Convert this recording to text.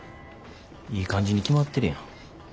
いい感じに決まってるやん。